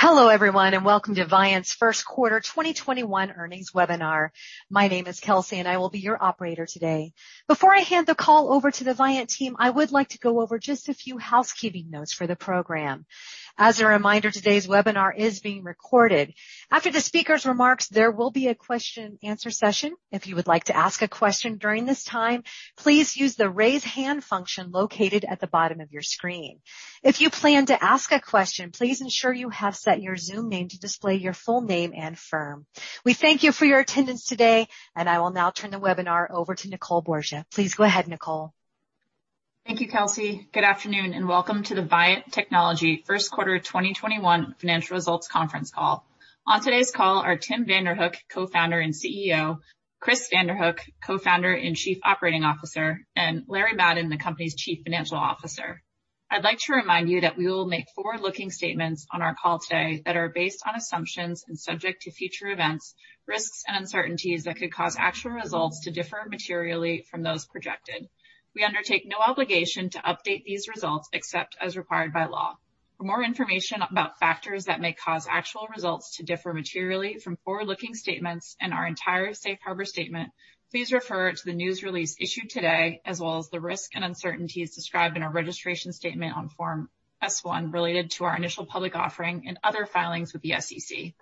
Hello everyone, and welcome to Viant's First Quarter 2021 Earnings Webinar. My name is Kelsey, and I will be your operator today. Before I hand the call over to the Viant team, I would like to go over just a few housekeeping notes for the program. As a reminder, today's webinar is being recorded. After the speaker's remarks, there will be a question-and-answer session. If you would like to ask a question during this time, please use the raise hand function located at the bottom of your screen. If you plan to ask a question, please ensure you have set your Zoom name to display your full name and firm. We thank you for your attendance today, and I will now turn the webinar over to Nicole Borsje. Please go ahead, Nicole. Thank you, Kelsey. Good afternoon and welcome to the Viant Technology first quarter 2021 financial results conference call. On today's call are Tim Vanderhook, Co-founder and CEO, Chris Vanderhook, Co-founder and Chief Operating Officer, and Larry Madden, the company's Chief Financial Officer. I'd like to remind you that we will make forward-looking statements on our call today that are based on assumptions and subject to future events, risks, and uncertainties that could cause actual results to differ materially from those projected. We undertake no obligation to update these results except as required by law. For more information about factors that may cause actual results to differ materially from forward-looking statements and our entire safe harbor statement, please refer to the news release issued today as well as the risks and uncertainties described in our registration statement on Form S-1 related to our initial public offering and other filings with the SEC.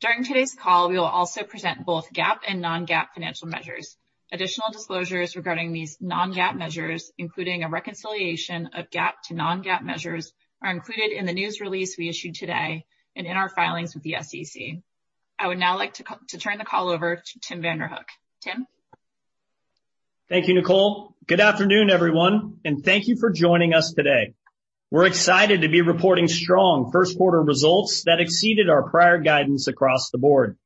During today's call, we will also present both GAAP and non-GAAP financial measures. Additional disclosures regarding these non-GAAP measures, including a reconciliation of GAAP to non-GAAP measures, are included in the news release we issued today and in our filings with the SEC. I would now like to turn the call over to Tim Vanderhook. Tim? Thank you, Nicole. Good afternoon, everyone, and thank you for joining us today. We're excited to be reporting strong first quarter results that exceeded our prior guidance across the board.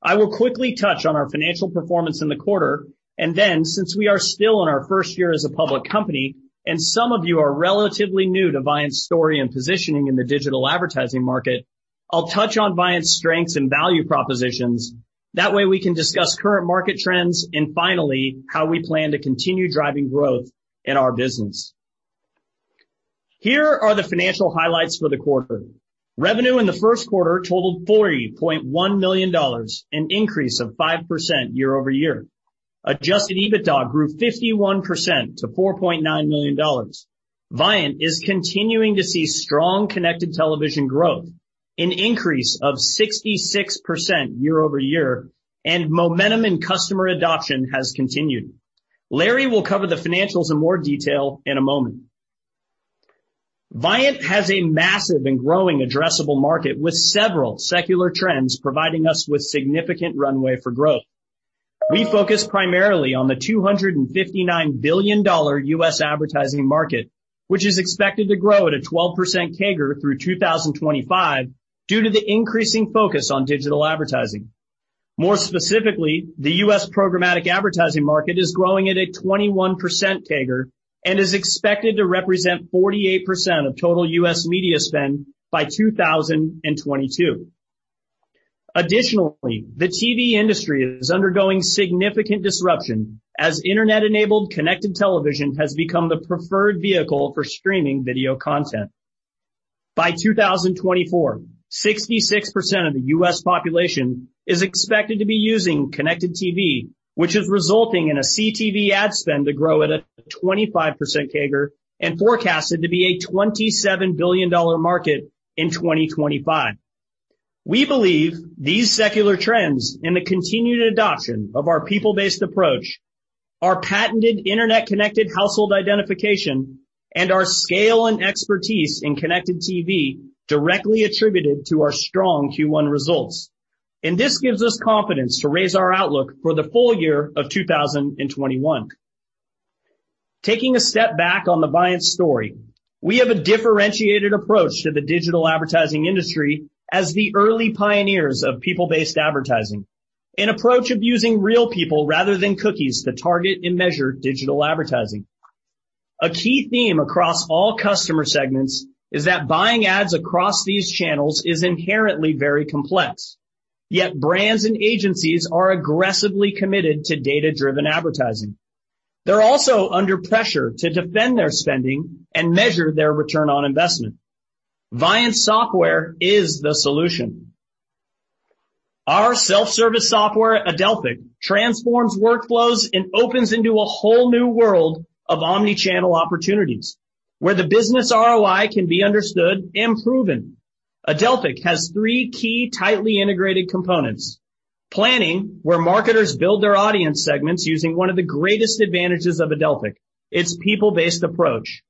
I will quickly touch on our financial performance in the quarter. Then since we are still in our first year as a public company, and some of you are relatively new to Viant's story and positioning in the digital advertising market, I'll touch on Viant's strengths and value propositions. That way we can discuss current market trends, and finally, how we plan to continue driving growth in our business. Here are the financial highlights for the quarter. Revenue in the first quarter totaled $40.1 million, an increase of 5% year-over-year. Adjusted EBITDA grew 51% to $4.9 million. Viant is continuing to see strong connected television growth, an increase of 66% year-over-year, and momentum in customer adoption has continued. Larry will cover the financials in more detail in a moment. Viant has a massive and growing addressable market with several secular trends providing us with significant runway for growth. We focus primarily on the $259 billion U.S. advertising market, which is expected to grow at a 12% CAGR through 2025 due to the increasing focus on digital advertising. More specifically, the U.S. programmatic advertising market is growing at a 21% CAGR and is expected to represent 48% of total U.S. media spend by 2022. Additionally, the TV industry is undergoing significant disruption as Internet-enabled connected television has become the preferred vehicle for streaming video content. By 2024, 66% of the U.S. population is expected to be using connected TV, which is resulting in a CTV ad spend to grow at a 25% CAGR and forecasted to be a $27 billion market in 2025. We believe these secular trends and the continued adoption of our people-based approach, our patented Internet-connected household identification, and our scale and expertise in connected TV directly attributed to our strong Q1 results. This gives us confidence to raise our outlook for the full year of 2021. Taking a step back on the Viant story, we have a differentiated approach to the digital advertising industry as the early pioneers of people-based advertising, an approach of using real people rather than cookies to target and measure digital advertising. A key theme across all customer segments is that buying ads across these channels is inherently very complex, yet brands and agencies are aggressively committed to data-driven advertising. They're also under pressure to defend their spending and measure their ROI. Viant Software is the solution. Our self-service software, Adelphic, transforms workflows and opens into a whole new world of omni-channel opportunities where the business ROI can be understood and proven. Adelphic has three key tightly integrated components. Planning, where marketers build their audience segments using one of the greatest advantages of Adelphic, its people-based approach.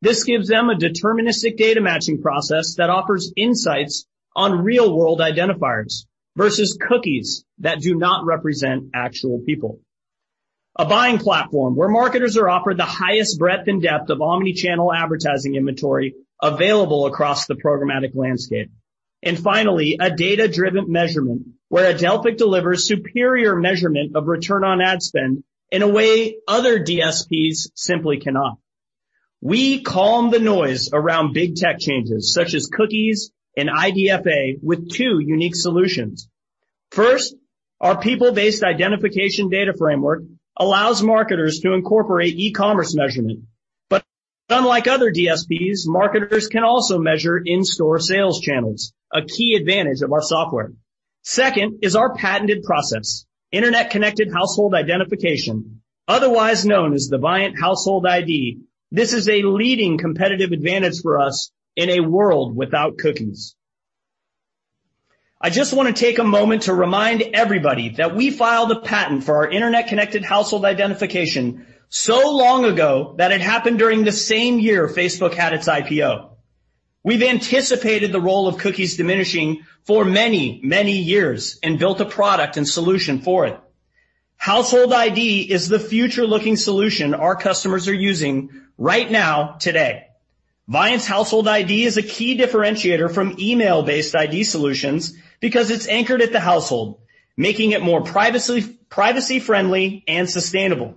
This gives them a deterministic data matching process that offers insights on real-world identifiers versus cookies that do not represent actual people. A buying platform where marketers are offered the highest breadth and depth of omni-channel advertising inventory available across the programmatic landscape. Finally, a data-driven measurement where Adelphic delivers superior measurement of return on ad spend in a way other DSPs simply cannot. We calm the noise around big tech changes such as cookies and IDFA with two unique solutions. First, our people-based identification data framework allows marketers to incorporate e-commerce measurement. Unlike other DSPs, marketers can also measure in-store sales channels, a key advantage of our software. Second is our patented process, internet-connected household identification, otherwise known as the Viant Household ID. This is a leading competitive advantage for us in a World Without Cookies. I just want to take a moment to remind everybody that we filed a patent for our internet-connected household identification so long ago that it happened during the same year Facebook had its IPO. We've anticipated the role of cookies diminishing for many years and built a product and solution for it. Household ID is the future-looking solution our customers are using right now today. Viant's Household ID is a key differentiator from email-based ID solutions because it's anchored at the household, making it more privacy-friendly and sustainable.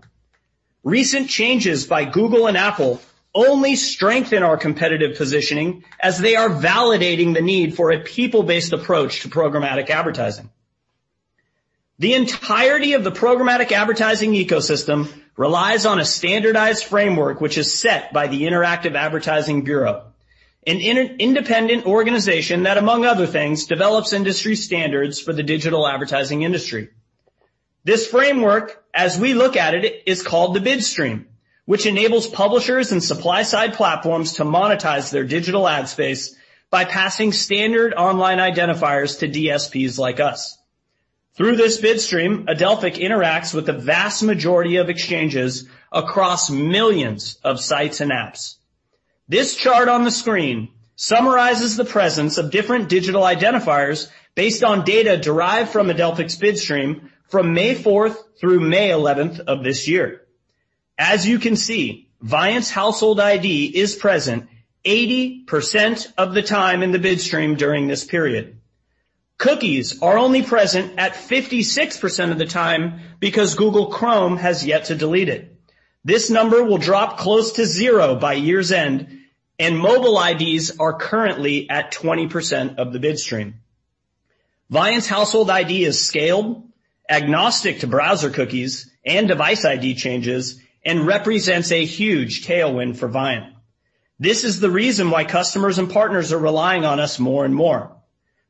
Recent changes by Google and Apple only strengthen our competitive positioning as they are validating the need for a people-based approach to programmatic advertising. The entirety of the programmatic advertising ecosystem relies on a standardized framework which is set by the Interactive Advertising Bureau, an independent organization that, among other things, develops industry standards for the digital advertising industry. This framework, as we look at it, is called the bid stream, which enables publishers and supply-side platforms to monetize their digital ad space by passing standard online identifiers to DSPs like us. Through this bid stream, Adelphic interacts with the vast majority of exchanges across millions of sites and apps. This chart on the screen summarizes the presence of different digital identifiers based on data derived from Adelphic's bid stream from May 4th through May 11th of this year. As you can see, Viant's Household ID is present 80% of the time in the bid stream during this period. Cookies are only present at 56% of the time because Google Chrome has yet to delete it. This number will drop close to zero by year's end, and mobile IDs are currently at 20% of the bid stream. Viant's Household ID is scaled, agnostic to browser cookies and device ID changes, and represents a huge tailwind for Viant. This is the reason why customers and partners are relying on us more and more.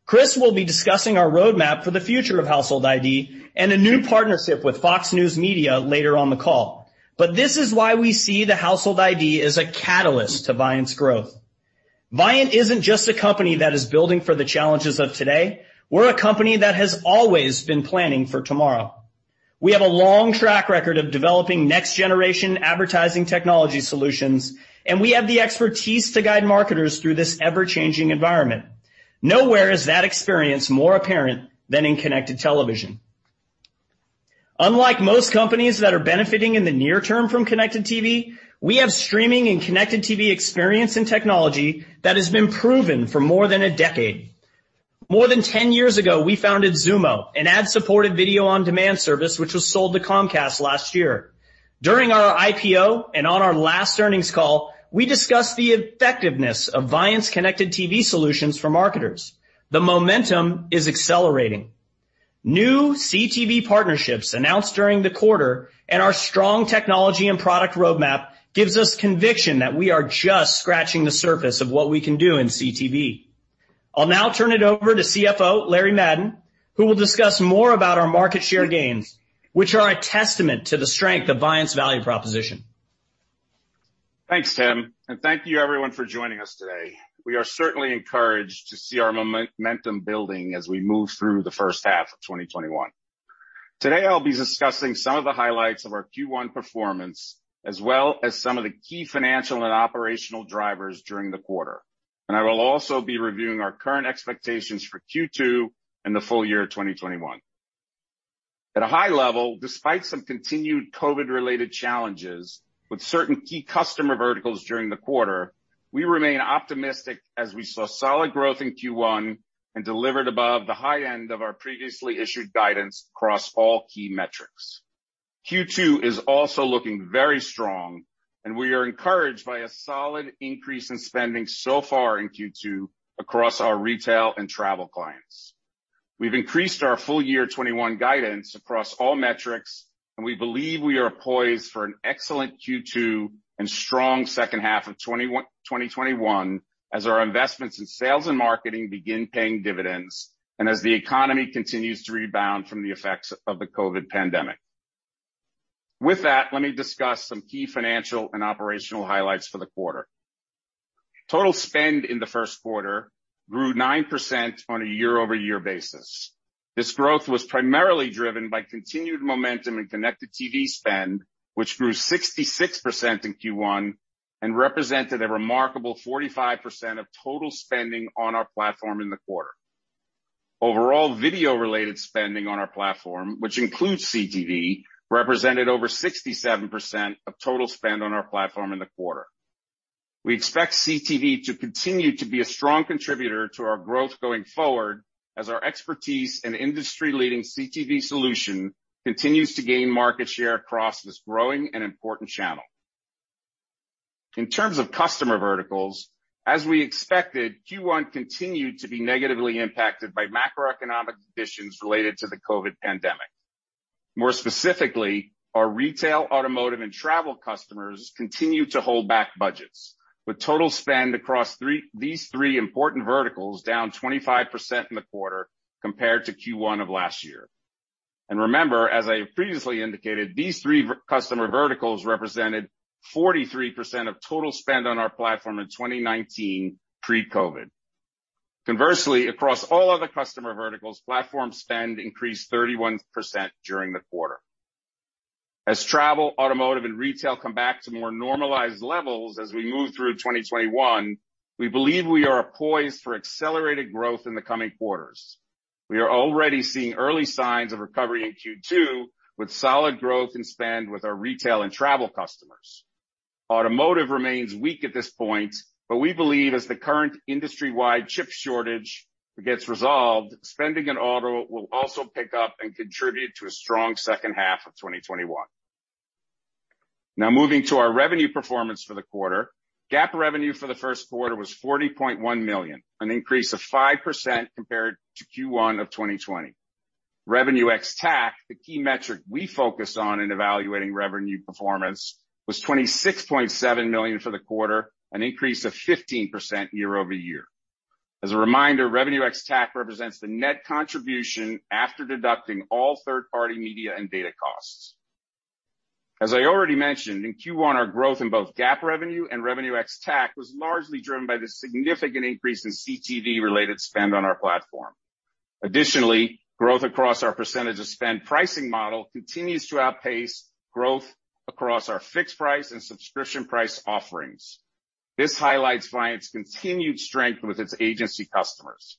Chris will be discussing our roadmap for the future of Household ID and a new partnership with Fox News Media later on the call, but this is why we see the Household ID as a catalyst to Viant's growth. Viant isn't just a company that is building for the challenges of today. We're a company that has always been planning for tomorrow. We have a long track record of developing next-generation advertising technology solutions, and we have the expertise to guide marketers through this ever-changing environment. Nowhere is that experience more apparent than in connected television. Unlike most companies that are benefiting in the near term from connected TV, we have streaming and connected TV experience and technology that has been proven for more than a decade. More than 10 years ago, we founded Xumo, an ad-supported video-on-demand service which was sold to Comcast last year. During our IPO and on our last earnings call, we discussed the effectiveness of Viant's connected TV solutions for marketers. The momentum is accelerating. New CTV partnerships announced during the quarter and our strong technology and product roadmap gives us conviction that we are just scratching the surface of what we can do in CTV. I'll now turn it over to CFO Larry Madden, who will discuss more about our market share gains, which are a testament to the strength of Viant's value proposition. Thanks, Tim, and thank you everyone for joining us today. We are certainly encouraged to see our momentum building as we move through the first half of 2021. Today, I'll be discussing some of the highlights of our Q1 performance, as well as some of the key financial and operational drivers during the quarter. I will also be reviewing our current expectations for Q2 and the full year 2021. At a high level, despite some continued COVID-related challenges with certain key customer verticals during the quarter, we remain optimistic as we saw solid growth in Q1 and delivered above the high end of our previously issued guidance across all key metrics. Q2 is also looking very strong, and we are encouraged by a solid increase in spending so far in Q2 across our retail and travel clients. We've increased our full year 2021 guidance across all metrics, and we believe we are poised for an excellent Q2 and strong second half of 2021 as our investments in sales and marketing begin paying dividends and as the economy continues to rebound from the effects of the COVID pandemic. With that, let me discuss some key financial and operational highlights for the quarter. Total spend in the first quarter grew 9% on a year-over-year basis. This growth was primarily driven by continued momentum in connected TV spend, which grew 66% in Q1 and represented a remarkable 45% of total spending on our platform in the quarter. Overall video-related spending on our platform, which includes CTV, represented over 67% of total spend on our platform in the quarter. We expect CTV to continue to be a strong contributor to our growth going forward as our expertise and industry-leading CTV solution continues to gain market share across this growing and important channel. In terms of customer verticals, as we expected, Q1 continued to be negatively impacted by macroeconomic conditions related to the COVID pandemic. More specifically, our retail, automotive, and travel customers continued to hold back budgets, with total spend across these three important verticals down 25% in the quarter compared to Q1 of last year. Remember, as I previously indicated, these three customer verticals represented 43% of total spend on our platform in 2019 pre-COVID. Conversely, across all other customer verticals, platform spend increased 31% during the quarter. Travel, automotive, and retail come back to more normalized levels as we move through 2021, we believe we are poised for accelerated growth in the coming quarters. We are already seeing early signs of recovery in Q2 with solid growth in spend with our retail and travel customers. Automotive remains weak at this point, we believe as the current industry-wide chip shortage gets resolved, spending in auto will also pick up and contribute to a strong second half of 2021. Moving to our revenue performance for the quarter, GAAP revenue for the first quarter was $40.1 million, an increase of 5% compared to Q1 of 2020. Revenue ex-TAC, the key metric we focus on in evaluating revenue performance, was $26.7 million for the quarter, an increase of 15% year-over-year. As a reminder, Revenue ex-TAC represents the net contribution after deducting all third-party media and data costs. As I already mentioned, in Q1, our growth in both GAAP revenue and Revenue ex-TAC was largely driven by the significant increase in CTV-related spend on our platform. Growth across our percentage of spend pricing model continues to outpace growth across our fixed price and subscription price offerings. This highlights Viant's continued strength with its agency customers.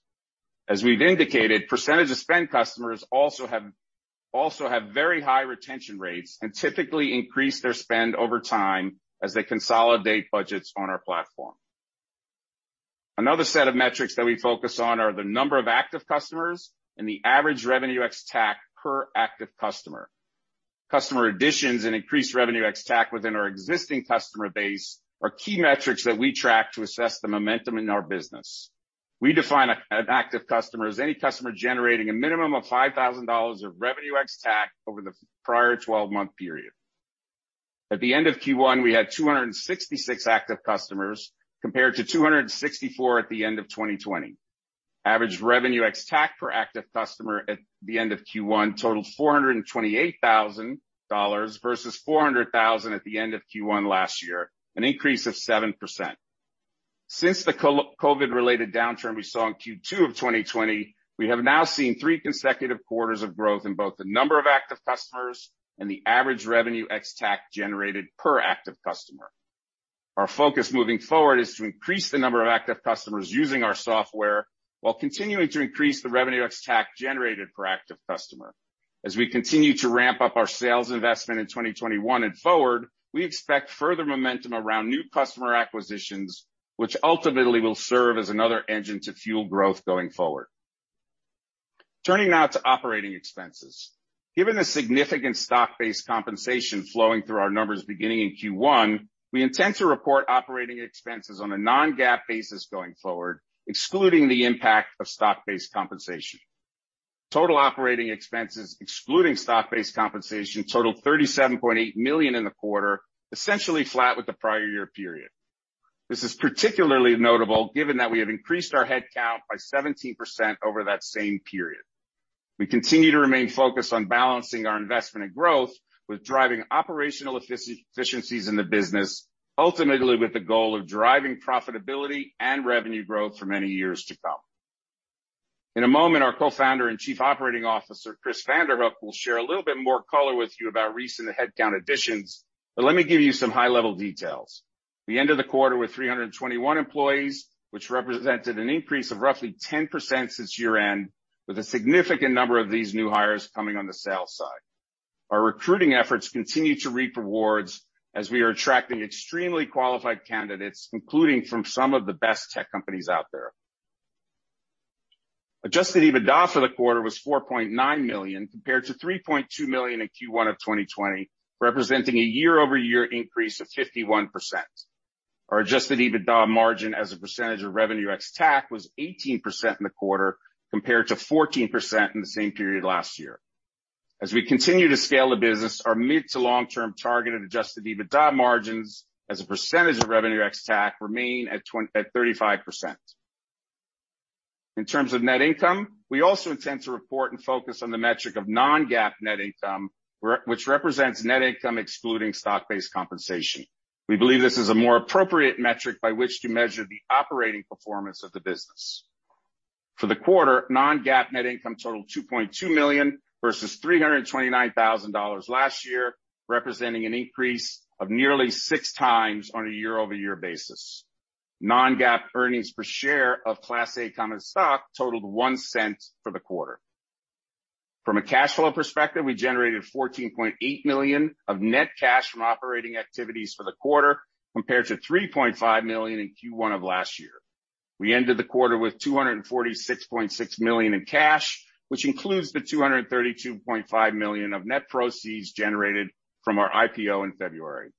As we've indicated, percentage of spend customers also have very high retention rates and typically increase their spend over time as they consolidate budgets on our platform. Another set of metrics that we focus on are the number of active customers and the average Revenue ex-TAC per active customer. Customer additions and increased Revenue ex-TAC within our existing customer base are key metrics that we track to assess the momentum in our business. We define an active customer as any customer generating a minimum of $5,000 of Revenue ex-TAC over the prior 12-month period. At the end of Q1, we had 266 active customers compared to 264 at the end of 2020. Average Revenue ex-TAC per active customer at the end of Q1 totaled $428,000 versus $400,000 at the end of Q1 last year, an increase of 7%. Since the COVID-related downturn we saw in Q2 of 2020, we have now seen three consecutive quarters of growth in both the number of active customers and the average Revenue ex-TAC generated per active customer. Our focus moving forward is to increase the number of active customers using our software while continuing to increase the Revenue ex-TAC generated per active customer. As we continue to ramp up our sales investment in 2021 and forward, we expect further momentum around new customer acquisitions, which ultimately will serve as another engine to fuel growth going forward. Turning now to operating expenses. Given the significant stock-based compensation flowing through our numbers beginning in Q1, we intend to report operating expenses on a non-GAAP basis going forward, excluding the impact of stock-based compensation. Total operating expenses excluding stock-based compensation totaled $37.8 million in the quarter, essentially flat with the prior year period. This is particularly notable given that we have increased our headcount by 17% over that same period. We continue to remain focused on balancing our investment and growth with driving operational efficiencies in the business, ultimately with the goal of driving profitability and revenue growth for many years to come. In a moment, our Co-founder and Chief Operating Officer, Chris Vanderhook, will share a little bit more color with you about recent headcount additions, but let me give you some high-level details. We ended the quarter with 321 employees, which represented an increase of roughly 10% since year-end, with a significant number of these new hires coming on the sales side. Our recruiting efforts continue to reap rewards as we are attracting extremely qualified candidates, including from some of the best tech companies out there. Adjusted EBITDA for the quarter was $4.9 million compared to $3.2 million in Q1 of 2020, representing a year-over-year increase of 51%. Our Adjusted EBITDA margin as a percentage of Revenue ex-TAC was 18% in the quarter compared to 14% in the same period last year. As we continue to scale the business, our mid to long-term targeted adjusted EBITDA margins as a percentage of Revenue ex-TAC remain at 35%. In terms of net income, we also intend to report and focus on the metric of non-GAAP net income, which represents net income excluding stock-based compensation. We believe this is a more appropriate metric by which to measure the operating performance of the business. For the quarter, non-GAAP net income totaled $2.2 million versus $329,000 last year, representing an increase of nearly six times on a year-over-year basis. Non-GAAP earnings per share of class A common stock totaled $0.01 for the quarter. From a cash flow perspective, we generated $14.8 million of net cash from operating activities for the quarter compared to $3.5 million in Q1 of last year. We ended the quarter with $246.6 million in cash, which includes the $232.5 million of net proceeds generated from our IPO in February.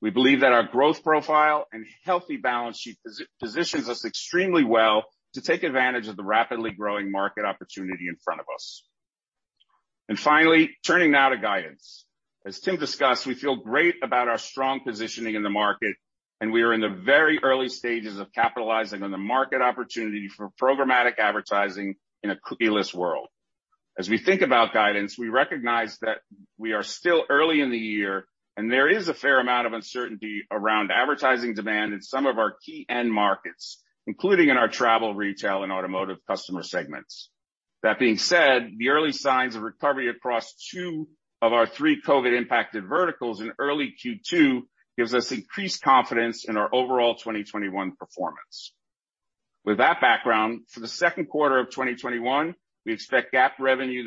We believe that our growth profile and healthy balance sheet positions us extremely well to take advantage of the rapidly growing market opportunity in front of us. Finally, turning now to guidance. As Tim discussed, we feel great about our strong positioning in the market, and we are in the very early stages of capitalizing on the market opportunity for programmatic advertising in a cookieless world. As we think about guidance, we recognize that we are still early in the year, and there is a fair amount of uncertainty around advertising demand in some of our key end markets, including in our travel, retail, and automotive customer segments. That being said, the early signs of recovery across two of our three COVID-impacted verticals in early Q2 gives us increased confidence in our overall 2021 performance. With that background, for the second quarter of 2021, we expect GAAP revenue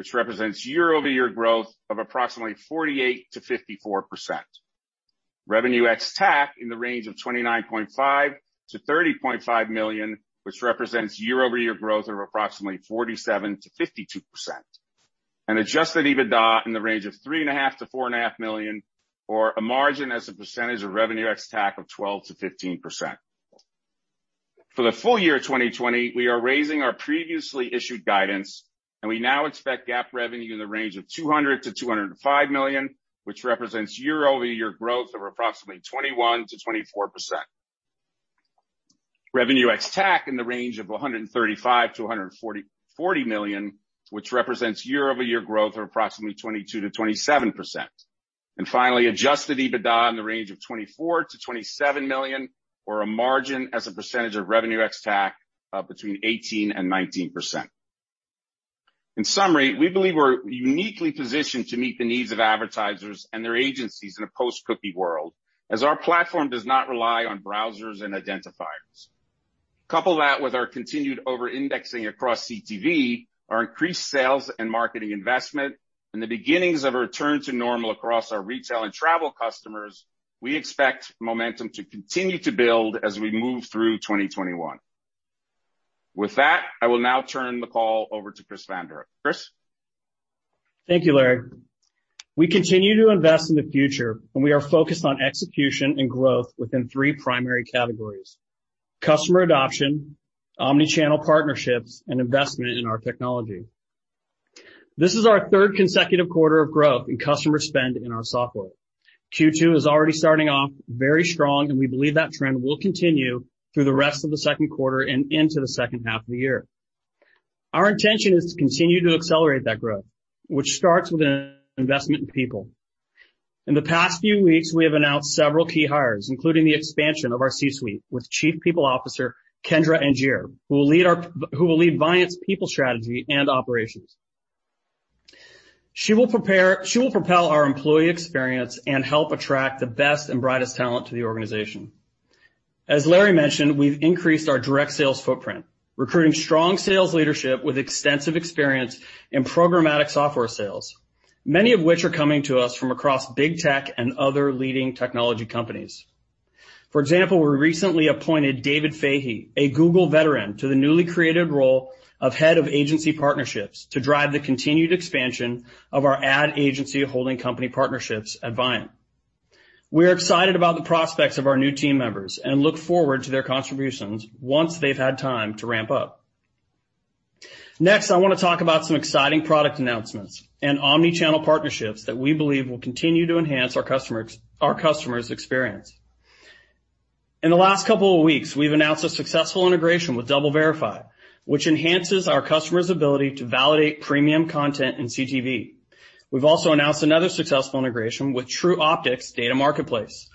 in the range of $45 million-$47 million, which represents year-over-year growth of approximately 48%-54%. Revenue ex-TAC in the range of $29.5 million-$30.5 million, which represents year-over-year growth of approximately 47%-52%. And adjusted EBITDA in the range of $3.5 million-$4.5 million, or a margin as a percentage of Revenue ex-TAC of 12%-15%. For the full year 2020, we are raising our previously issued guidance. We now expect GAAP revenue in the range of $200 million-$205 million, which represents year-over-year growth of approximately 21%-24%. Revenue ex-TAC in the range of $135 million-$140 million, which represents year-over-year growth of approximately 22%-27%. Finally, adjusted EBITDA in the range of $24 million-$27 million, or a margin as a percentage of Revenue ex-TAC of between 18% and 19%. In summary, we believe we're uniquely positioned to meet the needs of advertisers and their agencies in a post-cookie world, as our platform does not rely on browsers and identifiers. Couple that with our continued over-indexing across CTV, our increased sales and marketing investment, and the beginnings of a return to normal across our retail and travel customers, we expect momentum to continue to build as we move through 2021. With that, I will now turn the call over to Chris Vanderhook. Chris? Thank you, Larry. We continue to invest in the future, and we are focused on execution and growth within 3 primary categories: customer adoption, omni-channel partnerships, and investment in our technology. This is our third consecutive quarter of growth in customer spend in our software. Q2 is already starting off very strong, and we believe that trend will continue through the rest of the second quarter and into the second half of the year. Our intention is to continue to accelerate that growth, which starts with an investment in people. In the past few weeks, we have announced several key hires, including the expansion of our C-suite with Chief People Officer Kendra Angier, who will lead Viant's people strategy and operations. She will propel our employee experience and help attract the best and brightest talent to the organization. As Larry mentioned, we've increased our direct sales footprint, recruiting strong sales leadership with extensive experience in programmatic software sales, many of which are coming to us from across Big Tech and other leading technology companies. For example, we recently appointed Dave Fahey, a Google veteran, to the newly created role of Head of Agency Partnerships to drive the continued expansion of our ad agency holding company partnerships at Viant. We are excited about the prospects of our new team members and look forward to their contributions once they've had time to ramp up. I want to talk about some exciting product announcements and omni-channel partnerships that we believe will continue to enhance our customer's experience. In the last couple of weeks, we've announced a successful integration with DoubleVerify, which enhances our customer's ability to validate premium content in CTV. We've also announced another successful integration with Tru Optik Data Marketplace,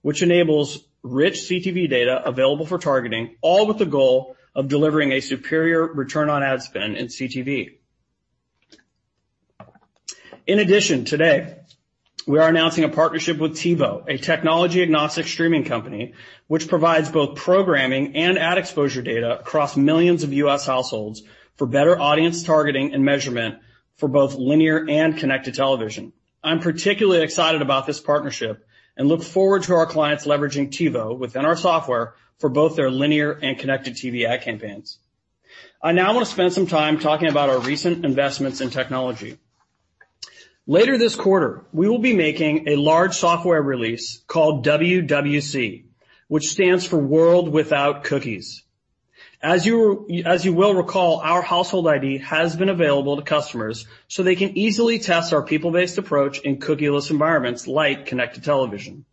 which enables rich CTV data available for targeting, all with the goal of delivering a superior return on ad spend in CTV. Today, we are announcing a partnership with TiVo, a technology-agnostic streaming company, which provides both programming and ad exposure data across millions of U.S. households for better audience targeting and measurement for both linear and connected television. I'm particularly excited about this partnership and look forward to our clients leveraging TiVo within our software for both their linear and connected CTV ad campaigns. I now want to spend some time talking about our recent investments in technology. Later this quarter, we will be making a large software release called WWC, which stands for World Without Cookies. As you will recall, our Household ID has been available to customers, so they can easily test our people-based approach in cookieless environments like connected television.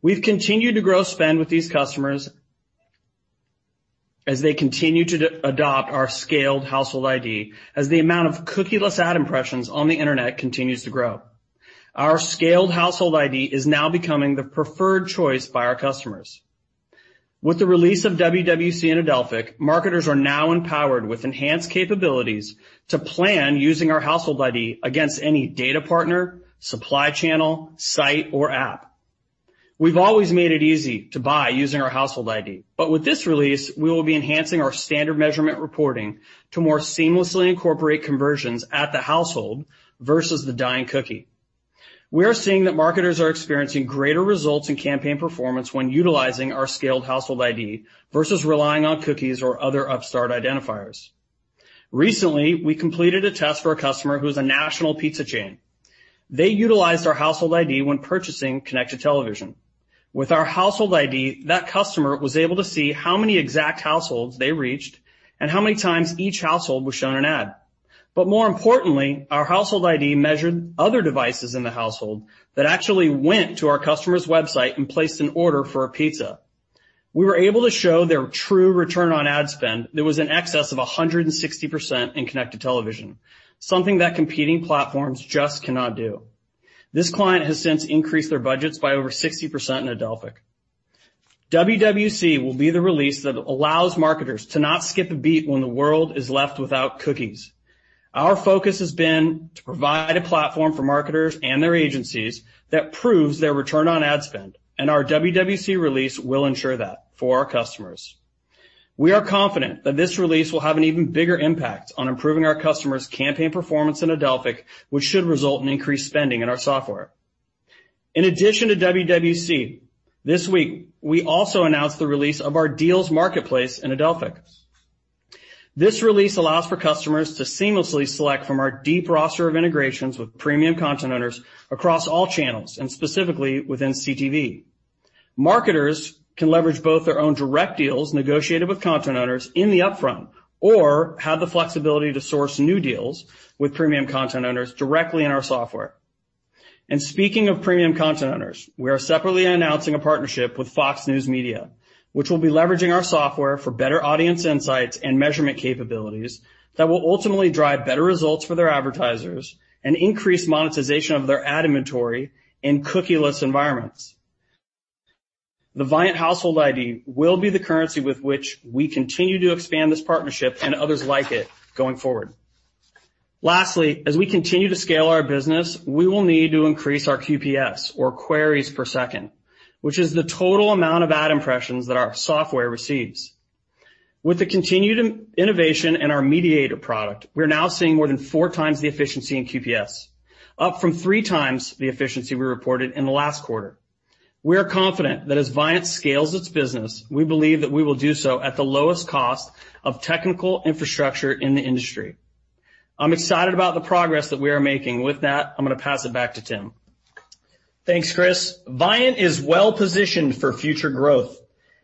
We've continued to grow spend with these customers as they continue to adopt our scaled Household ID as the amount of cookieless ad impressions on the Internet continues to grow. Our scaled Household ID is now becoming the preferred choice by our customers. With the release of WWC in Adelphic, marketers are now empowered with enhanced capabilities to plan using our Household ID against any data partner, supply channel, site, or app. We've always made it easy to buy using our Household ID, but with this release, we will be enhancing our standard measurement reporting to more seamlessly incorporate conversions at the household versus the dying cookie. We are seeing that marketers are experiencing greater results in campaign performance when utilizing our scaled Household ID versus relying on cookies or other upstart identifiers. Recently, we completed a test for a customer who is a national pizza chain. They utilized our Household ID when purchasing connected television. With our Household ID, that customer was able to see how many exact households they reached and how many times each household was shown an ad. But more importantly, our Household ID measured other devices in the household that actually went to our customer's website and placed an order for a pizza. We were able to show their true return on ad spend that was in excess of 160% in connected television, something that competing platforms just cannot do. This client has since increased their budgets by over 60% in Adelphic. WWC will be the release that allows marketers to not skip a beat when the world is left without cookies. Our focus has been to provide a platform for marketers and their agencies that proves their return on ad spend, and our WWC release will ensure that for our customers. We are confident that this release will have an even bigger impact on improving our customers' campaign performance in Adelphic, which should result in increased spending in our software. In addition to WWC, this week, we also announced the release of our Deals Marketplace in Adelphic. This release allows for customers to seamlessly select from our deep roster of integrations with premium content owners across all channels, and specifically within CTV. Marketers can leverage both their own direct deals negotiated with content owners in the upfront or have the flexibility to source new deals with premium content owners directly in our software. Speaking of premium content owners, we are separately announcing a partnership with Fox News Media, which will be leveraging our software for better audience insights and measurement capabilities that will ultimately drive better results for their advertisers and increase monetization of their ad inventory in cookieless environments. The Viant Household ID will be the currency with which we continue to expand this partnership and others like it going forward. Lastly, as we continue to scale our business, we will need to increase our QPS, or queries per second, which is the total amount of ad impressions that our software receives. With the continued innovation in our Mediator product, we're now seeing more than four times the efficiency in QPS, up from three times the efficiency we reported in the last quarter. We are confident that as Viant scales its business, we believe that we will do so at the lowest cost of technical infrastructure in the industry. I'm excited about the progress that we are making. With that, I'm going to pass it back to Tim. Thanks, Chris. Viant is well-positioned for future growth.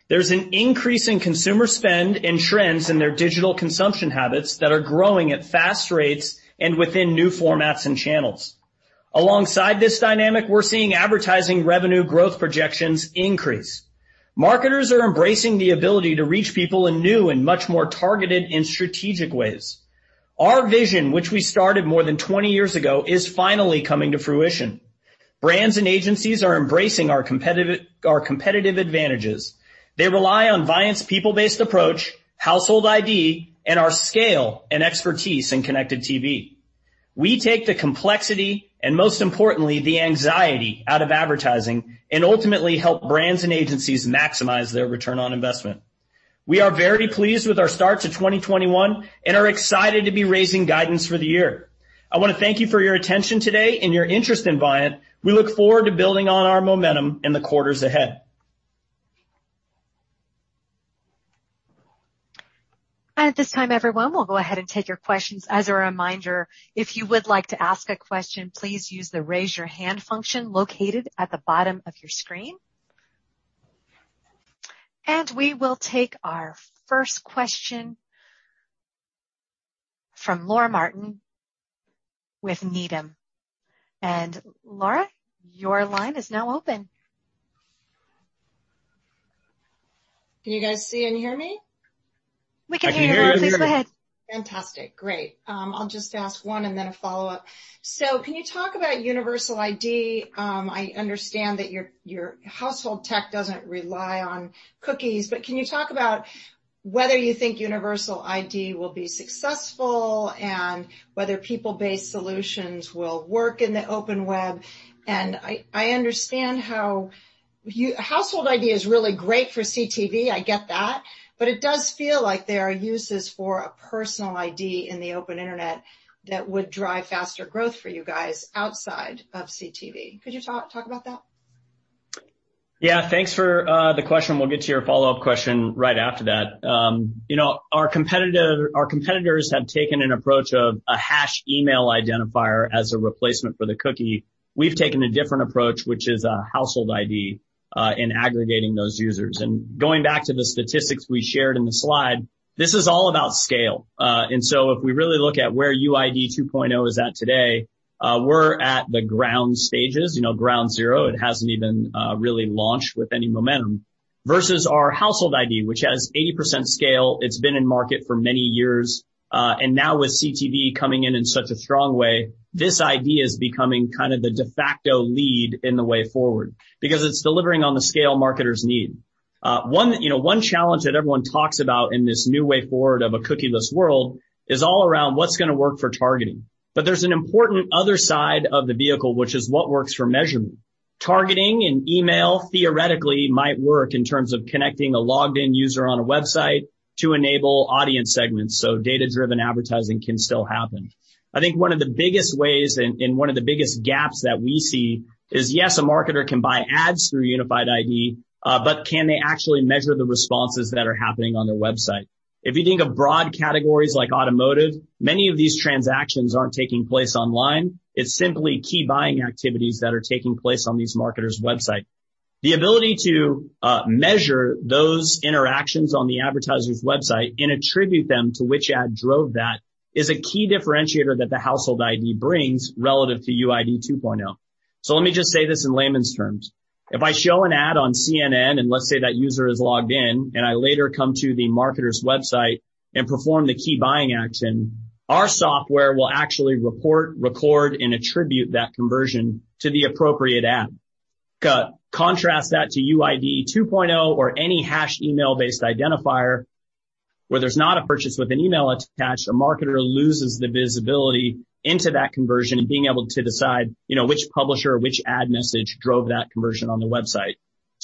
There's an increase in consumer spend and trends in their digital consumption habits that are growing at fast rates and within new formats and channels. Alongside this dynamic, we're seeing advertising revenue growth projections increase. Marketers are embracing the ability to reach people in new and much more targeted and strategic ways. Our vision, which we started more than 20 years ago, is finally coming to fruition. Brands and agencies are embracing our competitive advantages. They rely on Viant's people-based approach, Household ID, and our scale and expertise in connected TV. We take the complexity, and most importantly, the anxiety out of advertising and ultimately help brands and agencies maximize their return on investment. We are very pleased with our start to 2021 and are excited to be raising guidance for the year. I want to thank you for your attention today and your interest in Viant. We look forward to building on our momentum in the quarters ahead. At this time, everyone, we'll go ahead and take your questions. As a reminder, if you would like to ask a question, please use the raise your hand function located at the bottom of your screen. We will take our first question from Laura Martin with Needham. Laura, your line is now open. Can you guys see and hear me? We can hear you. Please go ahead. I can hear you. Fantastic. Great. I'll just ask one and then a follow-up. Can you talk about universal ID? I understand that your household tech doesn't rely on cookies, but can you talk about whether you think universal ID will be successful and whether people-based solutions will work in the open web? I understand how Household ID is really great for CTV. I get that, but it does feel like there are uses for a personal ID in the open internet that would drive faster growth for you guys outside of CTV. Could you talk about that? Yeah, thanks for the question. We'll get to your follow-up question right after that. Our competitors have taken an approach of a hash email identifier as a replacement for the cookie. We've taken a different approach, which is a household ID in aggregating those users. Going back to the statistics we shared in the slide, this is all about scale. If we really look at where UID 2.0 is at today, we're at the ground stages, ground zero. It hasn't even really launched with any momentum. Versus our household ID, which has 80% scale. It's been in market for many years. Now with CTV coming in in such a strong way, this ID is becoming kind of the de facto lead in the way forward because it's delivering on the scale marketers need. One challenge that everyone talks about in this new way forward of a cookieless world is all around what's going to work for targeting. There's an important other side of the vehicle, which is what works for measurement. Targeting and email theoretically might work in terms of connecting a logged in user on a website to enable audience segments, so data-driven advertising can still happen. I think one of the biggest ways and one of the biggest gaps that we see is, yes, a marketer can buy ads through Unified ID 2.0, but can they actually measure the responses that are happening on their website? If you think of broad categories like automotive, many of these transactions aren't taking place online. It's simply key buying activities that are taking place on these marketers' website. The ability to measure those interactions on the advertiser's website and attribute them to which ad drove that is a key differentiator that the Household ID brings relative to UID 2.0. Let me just say this in layman's terms. If I show an ad on CNN, and let's say that user is logged in, and I later come to the marketer's website and perform the key buying action, our software will actually report, record, and attribute that conversion to the appropriate ad. Contrast that to UID 2.0 or any hashed email-based identifier, where there's not a purchase with an email attached, a marketer loses the visibility into that conversion and being able to decide which publisher or which ad message drove that conversion on the website.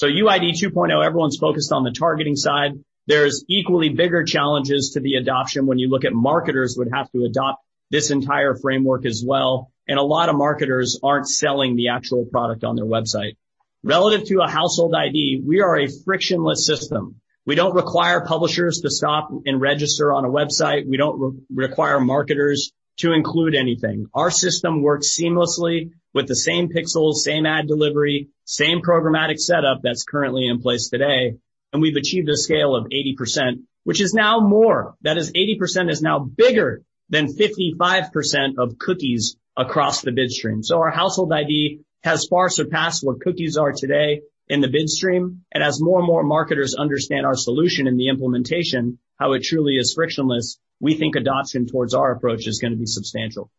UID 2.0, everyone's focused on the targeting side. There's equally bigger challenges to the adoption when you look at marketers would have to adopt this entire framework as well, and a lot of marketers aren't selling the actual product on their website. Relative to a Household ID, we are a frictionless system. We don't require publishers to stop and register on a website. We don't require marketers to include anything. Our system works seamlessly with the same pixels, same ad delivery, same programmatic setup that's currently in place today, and we've achieved a scale of 80%, which is now more. That is 80% is now bigger than 55% of cookies across the bid stream. Our Household ID has far surpassed where cookies are today in the bid stream. As more and more marketers understand our solution and the implementation, how it truly is frictionless, we think adoption towards our approach is going to be substantial.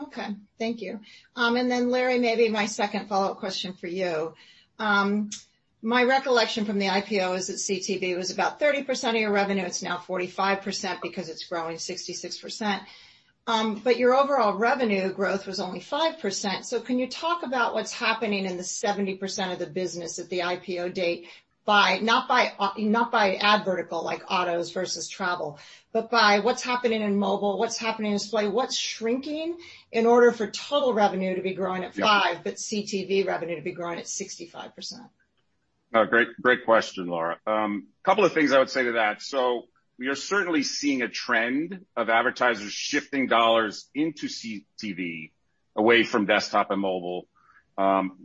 Okay. Thank you. Larry, maybe my second follow-up question for you. My recollection from the IPO is that CTV was about 30% of your revenue. It's now 45% because it's growing 66%. Your overall revenue growth was only 5%. Can you talk about what's happening in the 70% of the business at the IPO date, not by ad vertical like autos versus travel, but by what's happening in mobile, what's happening in display, what's shrinking in order for total revenue to be growing at 5%, but CTV revenue to be growing at 65%? Great question, Laura. Couple of things I would say to that. We are certainly seeing a trend of advertisers shifting dollars into CTV away from desktop and mobile.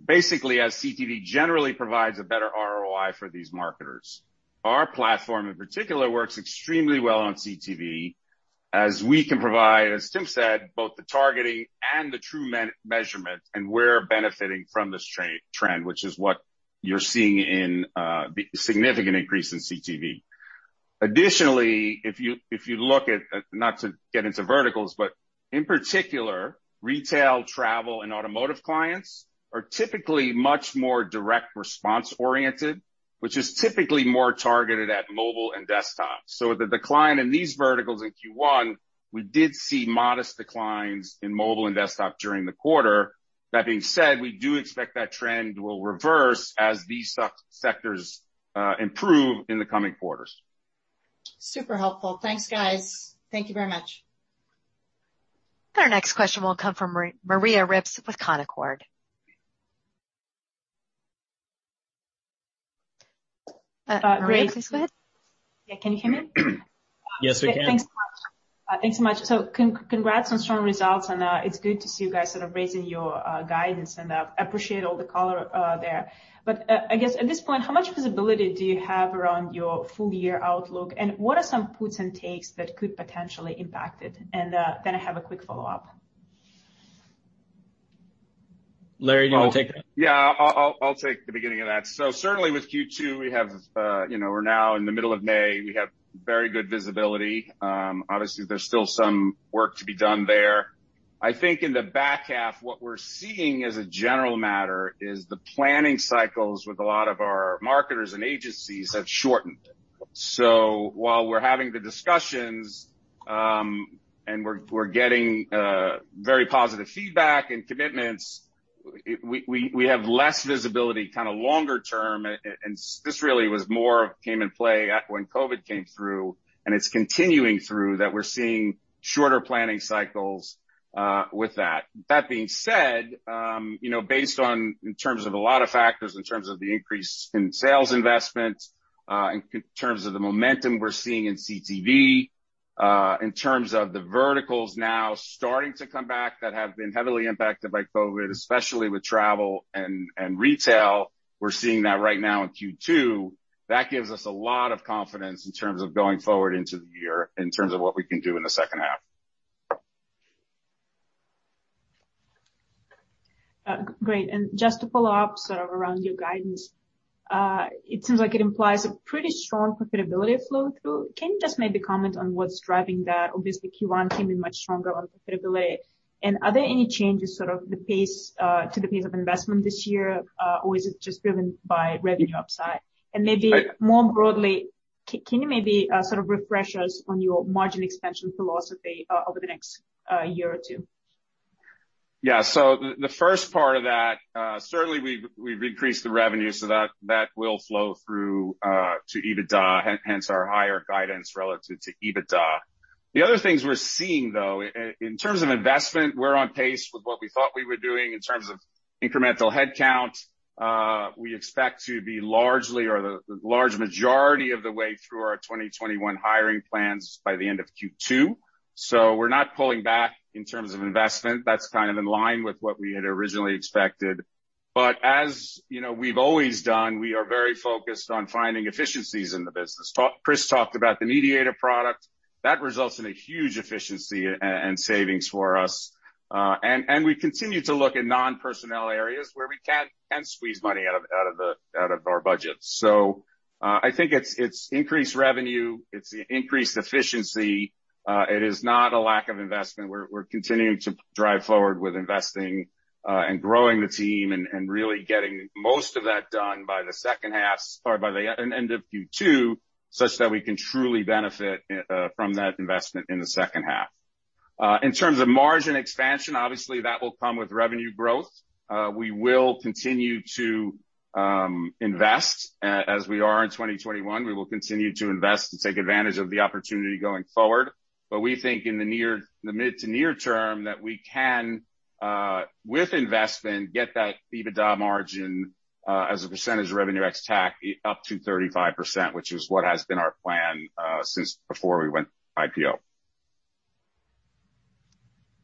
Basically, as CTV generally provides a better ROI for these marketers. Our platform, in particular, works extremely well on CTV as we can provide, as Tim said, both the targeting and the true measurement, and we're benefiting from this trend, which is what you're seeing in the significant increase in CTV. Additionally, if you look at, not to get into verticals, but in particular, retail, travel, and automotive clients are typically much more direct response-oriented, which is typically more targeted at mobile and desktop. The decline in these verticals in Q1, we did see modest declines in mobile and desktop during the quarter. That being said, we do expect that trend will reverse as these sectors improve in the coming quarters. Super helpful. Thanks, guys. Thank you very much. Our next question will come from Maria Ripps with Canaccord. Maria. Yeah, can you hear me? Yes, we can. Thanks so much. Congrats on strong results, and it's good to see you guys sort of raising your guidance and appreciate all the color there. I guess at this point, how much visibility do you have around your full-year outlook, and what are some puts and takes that could potentially impact it? Then I have a quick follow-up. Larry, you want to take that? Yeah, I'll take the beginning of that. Certainly with Q2, we're now in the middle of May. We have very good visibility. Obviously, there's still some work to be done there. I think in the back half, what we're seeing as a general matter is the planning cycles with a lot of our marketers and agencies have shortened. While we're having the discussions, and we're getting very positive feedback and commitments, we have less visibility longer term. This really came in play when COVID came through, and it's continuing through that we're seeing shorter planning cycles with that. That being said, based on in terms of a lot of factors, in terms of the increase in sales investment, in terms of the momentum we're seeing in CTV, in terms of the verticals now starting to come back that have been heavily impacted by COVID, especially with travel and retail. We're seeing that right now in Q2. That gives us a lot of confidence in terms of going forward into the year, in terms of what we can do in the second half. Great. Just to follow up sort of around your guidance. It seems like it implies a pretty strong profitability flow through. Can you just maybe comment on what's driving that? Obviously, Q1 came in much stronger on profitability. Are there any changes to the pace of investment this year? Is it just driven by revenue upside? Can you maybe sort of refresh us on your margin expansion philosophy over the next year or two? Yeah. The first part of that, certainly we've increased the revenue so that will flow through to EBITDA, hence our higher guidance relative to EBITDA. The other things we're seeing, though, in terms of investment, we're on pace with what we thought we were doing in terms of incremental headcount. We expect to be largely, or the large majority of the way through our 2021 hiring plans by the end of Q2. We're not pulling back in terms of investment. That's kind of in line with what we had originally expected. As we've always done, we are very focused on finding efficiencies in the business. Chris talked about the Mediator product. That results in a huge efficiency and savings for us. We continue to look at non-personnel areas where we can squeeze money out of our budgets. I think it's increased revenue. It's increased efficiency. It is not a lack of investment. We're continuing to drive forward with investing and growing the team and really getting most of that done by the end of Q2, such that we can truly benefit from that investment in the second half. In terms of margin expansion, obviously that will come with revenue growth. We will continue to invest as we are in 2021. We will continue to invest and take advantage of the opportunity going forward. But we think in the mid to near term that we can, with investment, get that EBITDA margin as a percentage of Revenue ex-TAC up to 35%, which is what has been our plan since before we went IPO.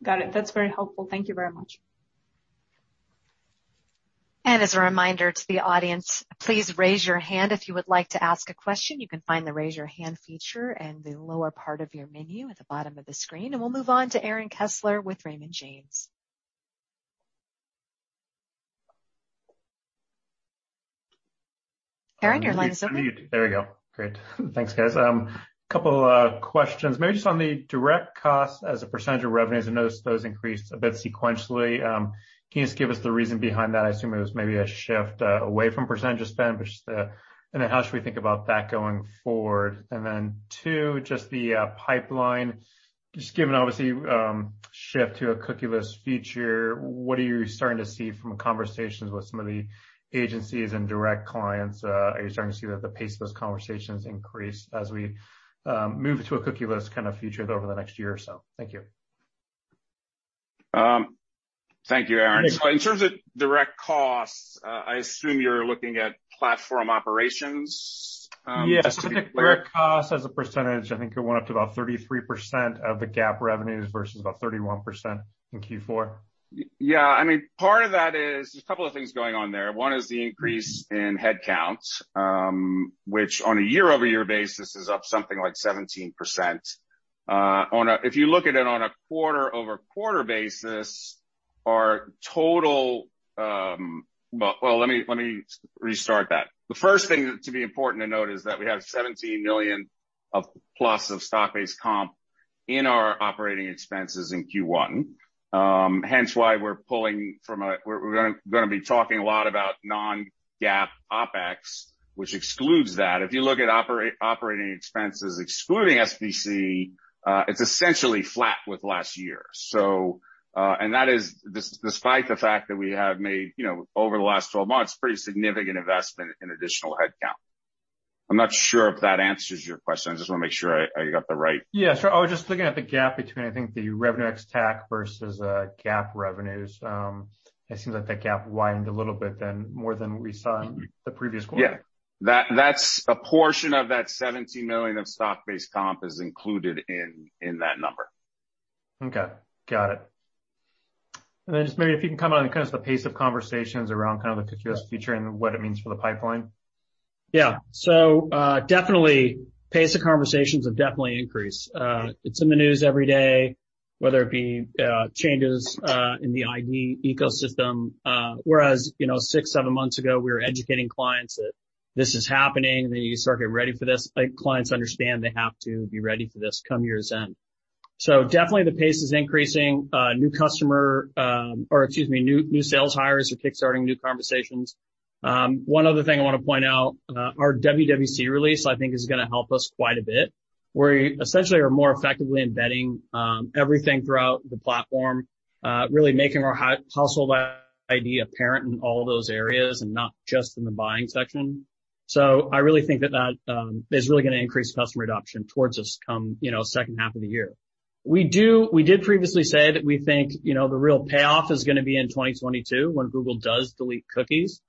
Got it. That's very helpful. Thank you very much. As a reminder to the audience, please raise your hand if you would like to ask a question. You can find the raise your hand feature in the lower part of your menu at the bottom of the screen. We'll move on to Aaron Kessler with Raymond James. Aaron, your line is open. There we go. Great. Thanks, guys. Couple of questions. Maybe just on the direct costs as a percentage of revenues, I noticed those increased a bit sequentially. Can you just give us the reason behind that? I assume it was maybe a shift away from percentage of spend. How should we think about that going forward? Two, just the pipeline. Just given, obviously, shift to a cookieless future, what are you starting to see from conversations with some of the agencies and direct clients? Are you starting to see the pace of those conversations increase as we move to a cookieless kind of future over the next year or so? Thank you. Thank you, Aaron. In terms of direct costs, I assume you're looking at platform operations. Yes. Direct costs as a percentage, I think it went up to about 33% of the GAAP revenues versus about 31% in Q4. Yeah. Part of that is there's a couple of things going on there. One is the increase in headcount, which on a year-over-year basis is up something like 17%. If you look at it on a quarter-over-quarter basis, well, let me restart that. The first thing to be important to note is that we have $17 million+ of stock-based comp in our operating expenses in Q1. Hence why we're going to be talking a lot about non-GAAP OpEx, which excludes that. If you look at operating expenses excluding SBC, it's essentially flat with last year. That is despite the fact that we have made, over the last 12 months, pretty significant investment in additional headcount. I'm not sure if that answers your question. I just want to make sure I got the right. Yeah, sure. I was just looking at the gap between, I think, the Revenue ex-TAC versus GAAP revenues. It seems like that gap widened a little bit more than we saw in the previous quarter. Yeah. A portion of that $17 million of stock-based comp is included in that number. Okay. Got it. Then just maybe if you can comment on kind of the pace of conversations around kind of the cookieless future and what it means for the pipeline. Yeah. Definitely pace of conversations has definitely increased. It's in the news every day, whether it be changes in the ID ecosystem. Whereas six, seven months ago, we were educating clients that this is happening, and then you start getting ready for this. Clients understand they have to be ready for this come year's end. Definitely the pace is increasing. New sales hires are kickstarting new conversations. One other thing I want to point out, our WWC release, I think, is going to help us quite a bit, where essentially we're more effectively embedding everything throughout the platform, really making our Household ID apparent in all those areas and not just in the buying section. I really think that that is really going to increase customer adoption towards us come second half of the year. We did previously say that we think the real payoff is going to be in 2022 when Google does delete cookies.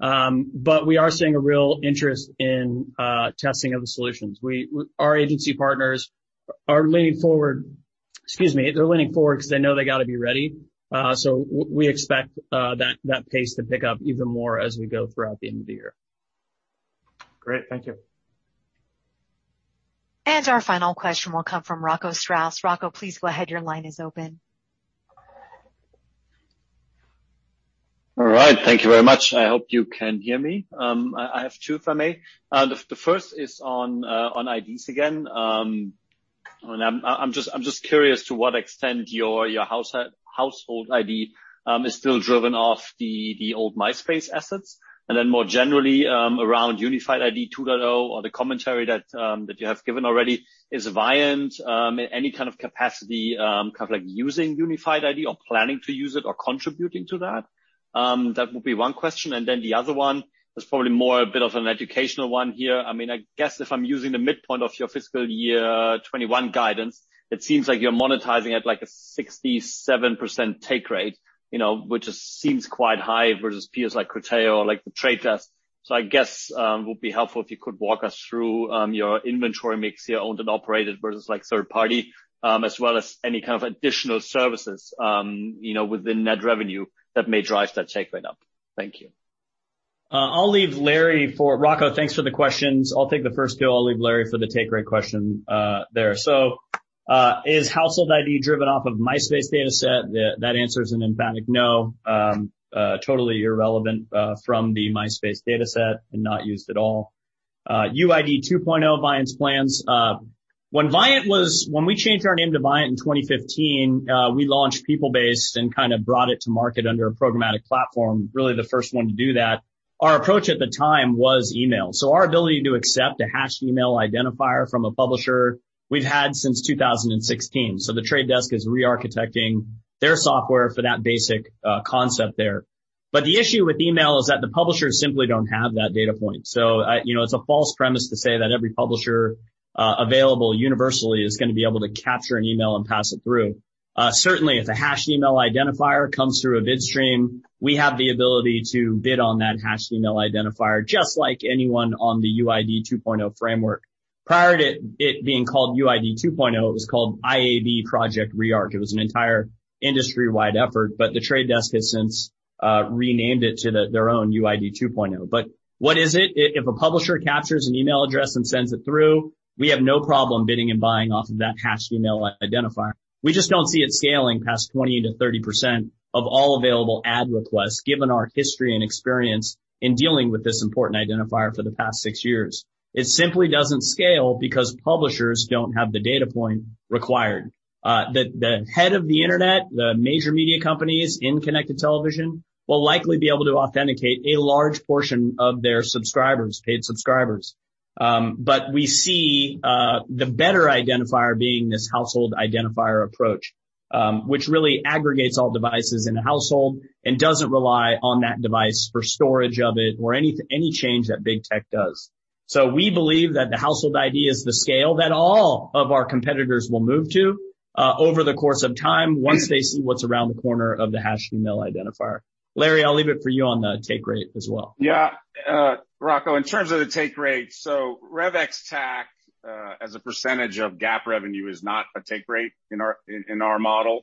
We are seeing a real interest in testing of the solutions. Our agency partners are leaning forward because they know they got to be ready. We expect that pace to pick up even more as we go throughout the end of the year. Great. Thank you. Our final question will come from Rocco Strauss. Rocco, please go ahead. Your line is open. All right. Thank you very much. I hope you can hear me. I have two, if I may. The first is on IDs again. I'm just curious to what extent your Household ID is still driven off the old Myspace assets, and then more generally, around Unified ID 2.0 or the commentary that you have given already. Is Viant, in any kind of capacity, using Unified ID or planning to use it or contributing to that? That would be one question, and then the other one is probably more a bit of an educational one here. I guess if I'm using the midpoint of your fiscal year 2021 guidance, it seems like you're monetizing at a 67% take rate, which seems quite high versus peers like Criteo or like The Trade Desk. I guess it would be helpful if you could walk us through your inventory mix, your owned and operated versus third party, as well as any kind of additional services within net revenue that may drive that take rate up. Thank you. Rocco, thanks for the questions. I'll take the first two. I'll leave Larry for the take rate question there. Is Household ID driven off of Myspace data set? That answer is an emphatic no. Totally irrelevant from the Myspace data set and not used at all. UID 2.0 Viant's plans. When we changed our name to Viant in 2015, we launched People-Based and kind of brought it to market under a programmatic platform, really the first one to do that. Our approach at the time was email. Our ability to accept a hashed email identifier from a publisher, we've had since 2016. The Trade Desk is re-architecting their software for that basic concept there. The issue with email is that the publishers simply don't have that data point. It's a false premise to say that every publisher available universally is going to be able to capture an email and pass it through. Certainly, if a hashed email identifier comes through a bid stream, we have the ability to bid on that hashed email identifier just like anyone on the UID 2.0 framework. Prior to it being called UID 2.0, it was called IAB Project Rearc. It was an entire industry-wide effort, The Trade Desk has since renamed it to their own UID 2.0. What is it? If a publisher captures an email address and sends it through, we have no problem bidding and buying off of that hashed email identifier. We just don't see it scaling past 20%-30% of all available ad requests, given our history and experience in dealing with this important identifier for the past six years. It simply doesn't scale because publishers don't have the data point required. The head of the internet, the major media companies in connected television, will likely be able to authenticate a large portion of their paid subscribers. We see the better identifier being this Household ID approach, which really aggregates all devices in a household and doesn't rely on that device for storage of it or any change that big tech does. We believe that the Household ID is the scale that all of our competitors will move to over the course of time once they see what's around the corner of the hashed email identifier. Larry, I'll leave it for you on the take rate as well. Rocco, in terms of the take rate, Revenue ex-TAC as a percentage of GAAP revenue is not a take rate in our model.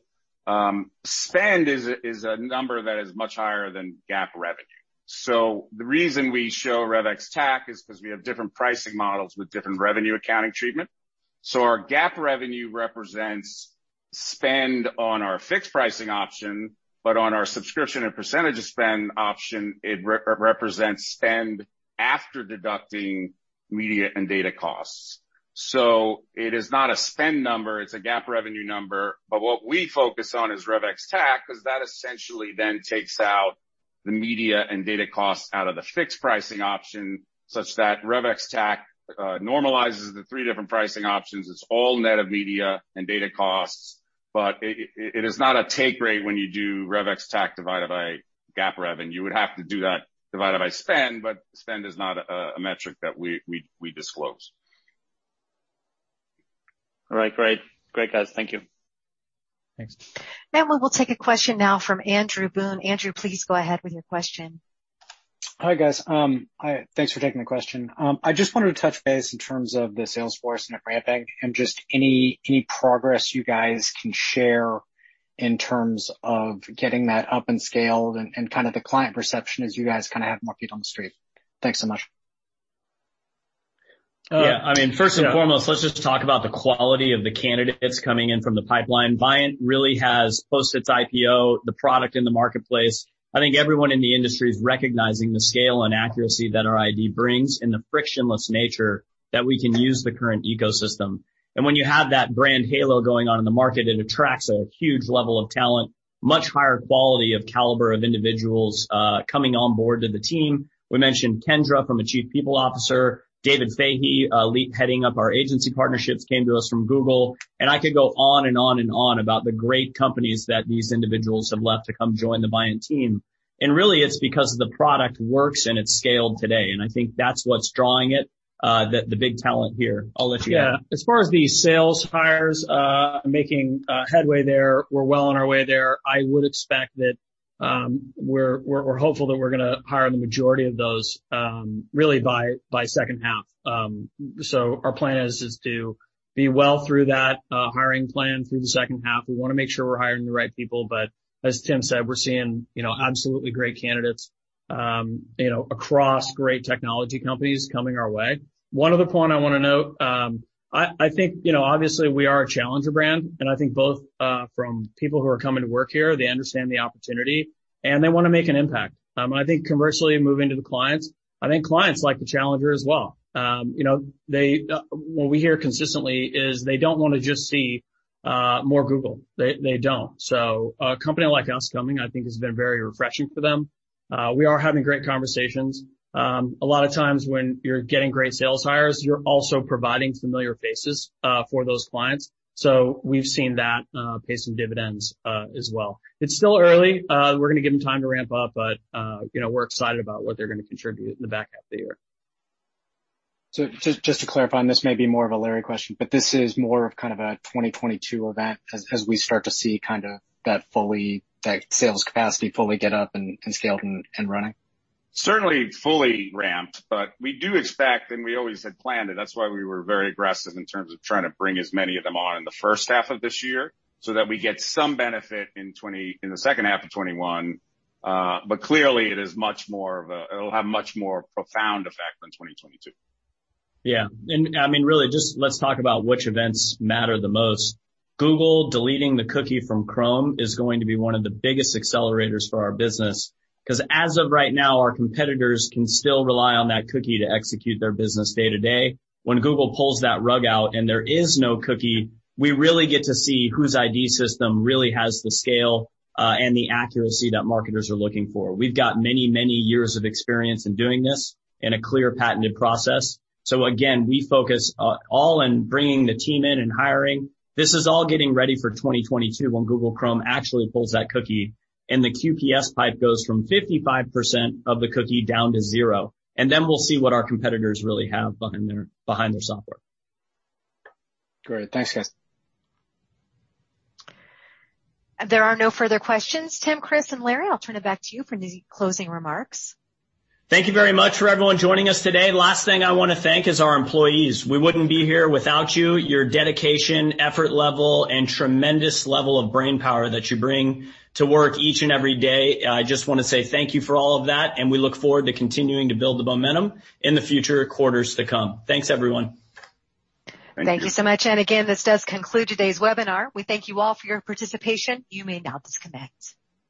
Spend is a number that is much higher than GAAP revenue. The reason we show Revenue ex-TAC is because we have different pricing models with different revenue accounting treatment. Our GAAP revenue represents spend on our fixed pricing option, on our subscription and percentage of spend option, it represents spend after deducting media and data costs. It is not a spend number, it's a GAAP revenue number. What we focus on is Revenue ex-TAC, because that essentially then takes out the media and data costs out of the fixed pricing option, such that Revenue ex-TAC normalizes the three different pricing options. It's all net of media and data costs, but it is not a take rate when you do Rev ex-TAC divided by GAAP revenue. You would have to do that divided by spend, but spend is not a metric that we disclose. All right, great. Great, guys. Thank you. Thanks. We will take a question now from Andrew Boone. Andrew, please go ahead with your question. Hi, guys. Thanks for taking the question. I just wanted to touch base in terms of the sales force and the ramp-up, and just any progress you guys can share in terms of getting that up and scaled and kind of the client perception as you guys have more feet on the street. Thanks so much. Yeah. First and foremost, let's just talk about the quality of the candidates coming in from the pipeline. Viant really has, post its IPO, the product in the marketplace. I think everyone in the industry is recognizing the scale and accuracy that our ID brings and the frictionless nature that we can use the current ecosystem. When you have that brand halo going on in the market, it attracts a huge level of talent, much higher quality of caliber of individuals coming on board to the team. We mentioned Kendra from a Chief People Officer, Dave Fahey, heading up our agency partnerships, came to us from Google, and I could go on and on and on about the great companies that these individuals have left to come join the Viant team. Really, it's because the product works and it's scaled today, and I think that's what's drawing it, the big talent here. I'll let you add. Yeah. As far as the sales hires, making headway there, we're well on our way there. We're hopeful that we're going to hire the majority of those really by second half. Our plan is just to be well through that hiring plan through the second half. We want to make sure we're hiring the right people. As Tim said, we're seeing absolutely great candidates across great technology companies coming our way. One other point I want to note, I think obviously we are a challenger brand, and I think both from people who are coming to work here, they understand the opportunity and they want to make an impact. I think commercially, moving to the clients, I think clients like the challenger as well. What we hear consistently is they don't want to just see More Google. They don't. A company like us coming, I think, has been very refreshing for them. We are having great conversations. A lot of times when you're getting great sales hires, you're also providing familiar faces for those clients. We've seen that pay some dividends as well. It's still early. We're going to give them time to ramp up, but we're excited about what they're going to contribute in the back half of the year. Just to clarify, and this may be more of a Larry question, but this is more of a 2022 event as we start to see that sales capacity fully get up and scaled and running? Certainly fully ramped, but we do expect, and we always had planned, and that's why we were very aggressive in terms of trying to bring as many of them on in the first half of this year so that we get some benefit in the second half of 2021. Clearly, it'll have a much more profound effect in 2022. Yeah. Really, let's talk about which events matter the most. Google deleting the cookie from Chrome is going to be one of the biggest accelerators for our business because as of right now, our competitors can still rely on that cookie to execute their business day-to-day. When Google pulls that rug out and there is no cookie, we really get to see whose ID system really has the scale and the accuracy that marketers are looking for. We've got many years of experience in doing this in a clear patented process. Again, we focus all in bringing the team in and hiring. This is all getting ready for 2022 when Google Chrome actually pulls that cookie, and the QPS pipe goes from 55% of the cookie down to zero. Then we'll see what our competitors really have behind their software. Great. Thanks, guys. There are no further questions. Tim, Chris, and Larry, I'll turn it back to you for any closing remarks. Thank you very much for everyone joining us today. Last thing I want to thank is our employees. We wouldn't be here without you, your dedication, effort level, and tremendous level of brainpower that you bring to work each and every day. I just want to say thank you for all of that, and we look forward to continuing to build the momentum in the future quarters to come. Thanks, everyone. Thank you. Thank you so much. Again, this does conclude today's webinar. We thank you all for your participation. You may now disconnect.